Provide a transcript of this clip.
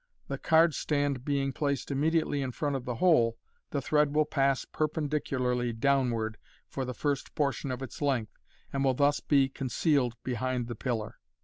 The card stand being placed immediately in front of the hole, the thread will pass perpendicularly downward for the first portion of its length, and will thus be concealed behind the pillar.